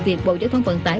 việc bộ giới thuận vận tải